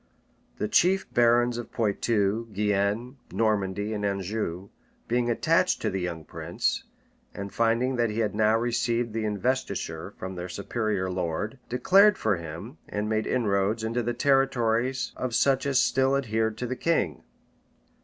The chief barons of Poictou, Guienne, Normandy, and Anjou, being attached to the young prince, and finding that he had now received the investiture from their superior lord, declared for him, and made inroads into the territories of such as still adhered to the king.